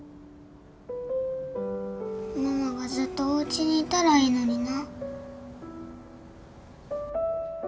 ママがずっとおうちにいたらいいのにな